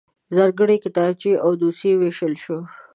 ځانګړی کتابچې او دوسيې وویشل شول.